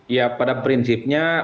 ya pada prinsipnya